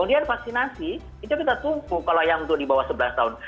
kemudian vaksinasi itu kita tunggu kalau yang untuk di bawah sebelas tahun